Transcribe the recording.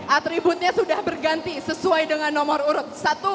atributnya sudah berganti sesuai dengan nomor urut satu